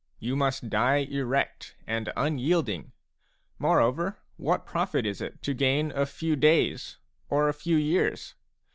You must die erect and unyielding. Moreover, what profit is it to gain a few days or a few years